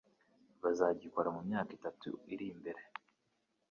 bazagikora mu myaka itatu iri imbere.